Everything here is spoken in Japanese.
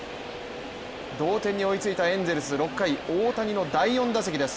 同点に追いついたエンゼルス６回、大谷の第４打席です。